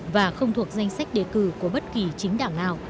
và không thuộc danh sách đề cử của bất kỳ chính đảng nào